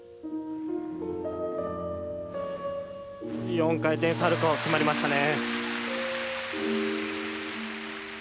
４回転サルコー決まりましたね。